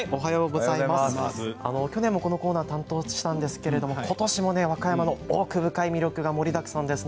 去年もこのコーナーを担当したんですが、ことしも和歌山の奥深い魅力が盛りだくさんです。